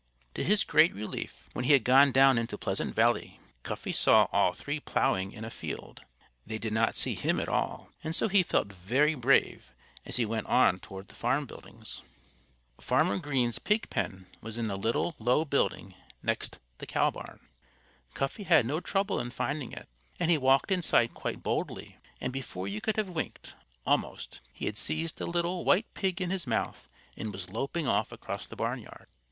To his great relief, when he had gone down into Pleasant Valley Cuffy saw all three ploughing in a field. They did not see him at all. And so he felt very brave as he went on toward the farm buildings. Farmer Green's pig pen was in a little, low building next the cow barn. Cuffy had no trouble in finding it. And he walked inside quite boldly and before you could have winked, almost, he had seized a little, white pig in his mouth and was loping off across the barnyard.